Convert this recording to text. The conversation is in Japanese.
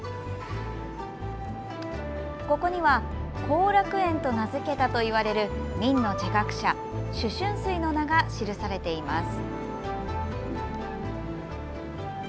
ここには後楽園と名付けたといわれる明の儒学者朱舜水の名が記されています。